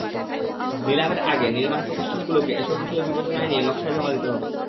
নিলামের আগে নির্মাণপ্রতিষ্ঠানগুলোকে এসব বিষয় বিবেচনায় নিয়ে নকশা জমা দিতে হবে।